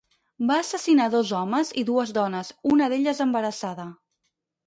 Va assassinar dos homes i dues dones, una d'elles embarassada.